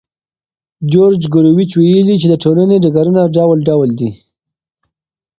جورج ګوروویچ ویلي چې د ټولنې ډګرونه ډول ډول دي.